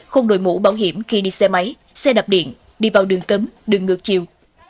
không đổi mũ bảo hiểm khi đi xe máy xe đạp điện đi vào đường cấm đường ngược chiều